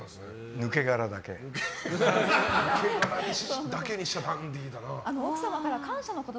ぬけがらだけにしちゃダンディーだな。